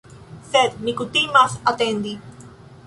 Sed mi kutimas atendi.